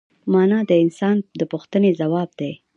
مانا د انسان د پوښتنې ځواب دی.